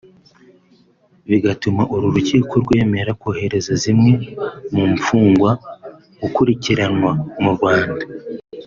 bigatuma uru rukiko rwemera kohereza zimwe mu mfungwa gukurikiranwa mu Rwanda